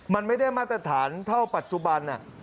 มันไม่ได้มาตรฐานเท่าปัจจุบัน